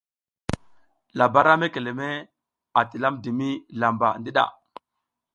Labara mekeme a tilamdimi lamba ndiɗa.